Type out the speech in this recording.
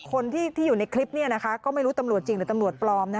คนที่อยู่ในคลิปก็ไม่รู้ตำรวจจริงหรือตำรวจปลอม